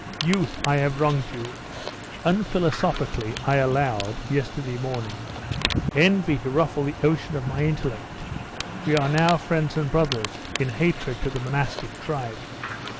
Youth! I have wronged you. Unphilosophically I allowed, yesterday morning, envy to ruffle the ocean of my intellect. We are now friends and brothers, in hatred to the monastic tribe.